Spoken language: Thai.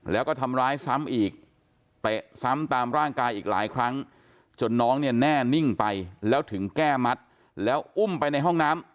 แล้วก็ทำร้ายซ้ำอีกเตะซ้ำตามร่างกายอีกหลายครั้งจนน้องเนี่ยแน่นิ่งไปแล้วถึงแก้มัดแล้วอุ้มไปในห้องน้ำ